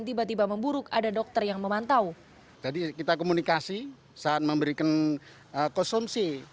tiba tiba memburuk ada dokter yang memantau jadi kita komunikasi saat memberikan konsumsi